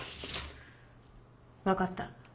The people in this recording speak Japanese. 分かった。